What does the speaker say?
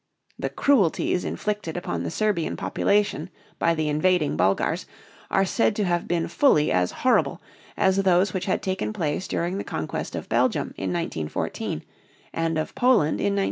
The cruelties inflicted upon the Serbian population by the invading Bulgars are said to have been fully as horrible as those which had taken place during the conquest of Belgium in 1914 and of Poland in 1915.